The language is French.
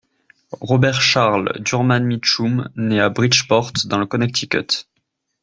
Robert Charles Durman Mitchum naît à Bridgeport dans le Connecticut.